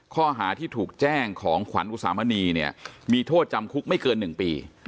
ข้อหาที่ถูกแจ้งของขวัญอุสามณีเนี่ยมีโทษจำคุกไม่เกิน๑ปี